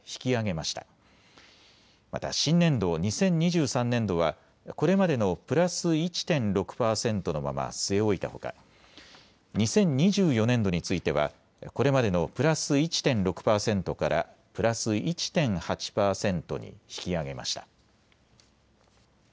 また新年度２０２３年度はこれまでのプラス１．６％のまま据え置いたほか２０２４年度についてはこれまでのプラス１．６％からプラス１．８％に引き上げました。